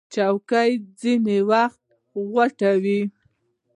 چوکۍ ځینې وخت غټې وي.